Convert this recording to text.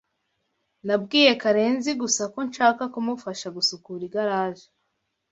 Nabwiye Karenzigusa ko nshaka kumufasha gusukura igaraje.